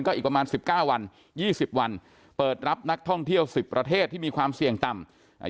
ก็อีกประมาณ๑๙วัน๒๐วันเปิดรับนักท่องเที่ยว๑๐ประเทศที่มีความเสี่ยงต่ำ